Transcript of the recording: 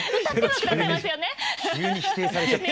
急に否定されちゃった。